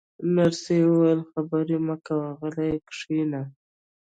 نرسې وویل: خبرې مه کوه، غلی کښېنه.